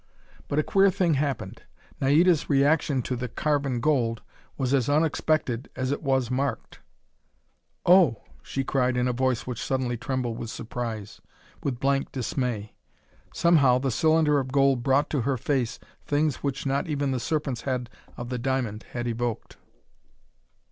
But a queer thing happened. Naida's reaction to the carven gold was as unexpected as it was marked. "Oh!" she cried in a voice which suddenly trembled with surprise, with blank dismay. Somehow, the cylinder of gold brought to her face things which not even the Serpent's head of the diamond had evoked.